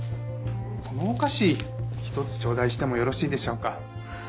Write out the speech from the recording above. このお菓子１つちょうだいしてもよろしいでしょうか？